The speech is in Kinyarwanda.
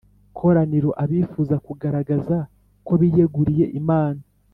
koraniro abifuza kugaragaza ko biyeguriye Imana